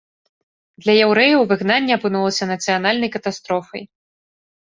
Для яўрэяў выгнанне апынулася нацыянальнай катастрофай.